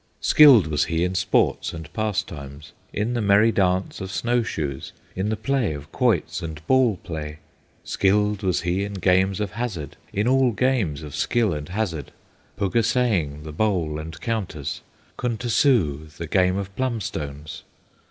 Skilled was he in sports and pastimes, In the merry dance of snow shoes, In the play of quoits and ball play; Skilled was he in games of hazard, In all games of skill and hazard, Pugasaing, the Bowl and Counters, Kuntassoo, the Game of Plum stones.